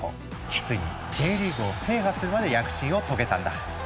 ついにＪリーグを制覇するまで躍進を遂げたんだ。